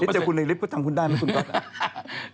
เจอคุณในลิฟต์ก็ทำคุณได้ไหมคุณก๊อฟ